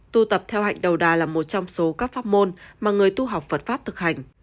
tu tập theo hạnh đầu đà là một trong số các phát ngôn mà người tu học phật pháp thực hành